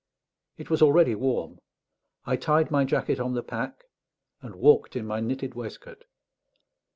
It was already warm. I tied my jacket on the pack, and walked in my knitted waistcoat.